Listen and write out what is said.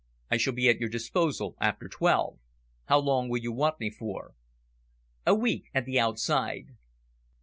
I shall be at your disposal after twelve. How long will you want me for?" "A week at the outside."